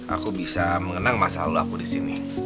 aku bisa mengenang masa lalu aku di sini